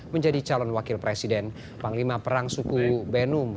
menjadi calon wakil presiden panglima perang suku benum